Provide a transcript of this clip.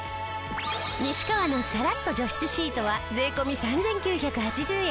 西川のサラッと除湿シートは税込３９８０円。